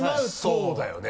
そうだよね。